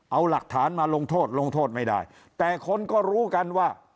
เอาหลักฐานมาลงโทษลงโทษไม่ได้แต่คนก็รู้กันว่า